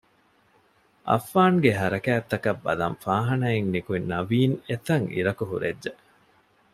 އައްފާންގެ ހަރަކާތްތަކަށް ބަލަން ފާހާނާއިން ނިކުތް ނަވީން އެތަށް އިރަކު ހުރެއްޖެ